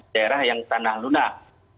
daerah yang tanah lunak